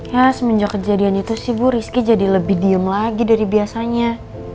ya semenjak kejadian itu sih bu rizky jadi lebih diem lagi dari biasanya